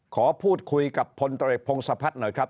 ขอพูดคุยกับพลตรวจเอกพงศพัฒน์หน่อยครับ